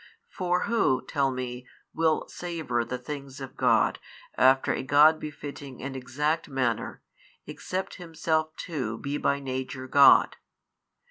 For who (tell me) will savour the things of God after a God befitting and exact manner, except Himself too be by Nature God?